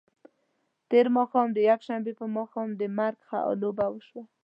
تېر ماښام د یکشنبې په ماښام د مرګ لوبه وشوه.